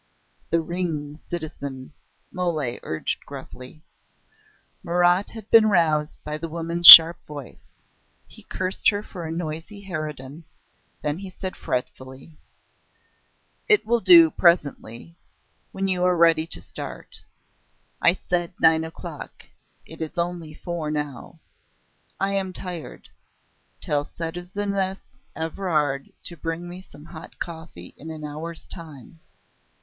"The ring, citizen," Mole urged gruffly. Marat had been roused by the woman's sharp voice. He cursed her for a noisy harridan; then he said fretfully: "It will do presently when you are ready to start. I said nine o'clock ... it is only four now. I am tired. Tell citizeness Evrard to bring me some hot coffee in an hour's time....